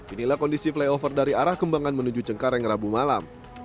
inilah kondisi flyover dari arah kembangan menuju cengkareng rabu malam